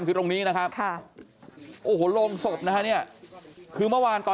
พ่อขออนุญาต